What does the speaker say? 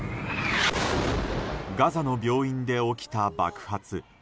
ガザの病院で起きた爆発。